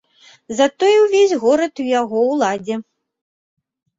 Затое ўвесь горад у яго ўладзе.